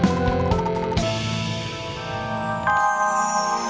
ko istri aa memang sama